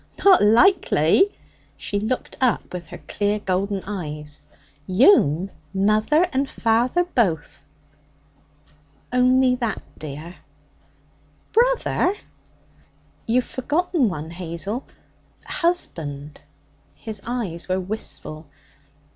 Not likely!' She looked up with her clear golden eyes. 'You'm mother and father both!' 'Only that, dear?' 'Brother.' 'You've forgotten one, Hazel husband.' His eyes were wistful.